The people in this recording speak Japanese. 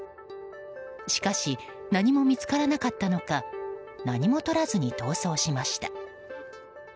しかし何も見つからなかったのか何も取らずに逃走しました。